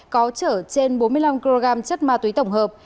có chở trên bốn mươi năm kg chất ma túy tổng hợp